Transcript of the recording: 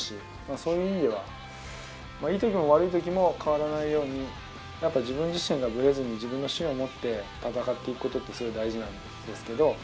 そういう意味ではいい時も悪い時も変わらないようにやっぱり自分自身がぶれずに自分の芯を持って戦っていくことってすごい大事なんですけど。